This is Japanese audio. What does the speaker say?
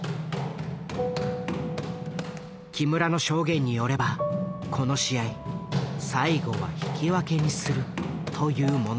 木村の証言によればこの試合最後は引き分けにするというものだった。